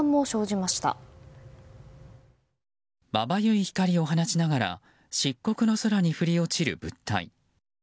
まばゆい光を放ちながら漆黒の空に振り落ちる物体。